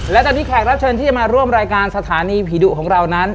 และตอนนี้แขกรับเชิญที่จะมาร่วมรายการสถานีผีดุของเรานั้น